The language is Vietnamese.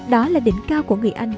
đó là đỉnh cao của người anh